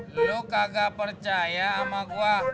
lo kagak percaya ama gua